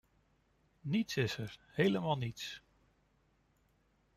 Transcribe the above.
Niets is er, helemaal niets!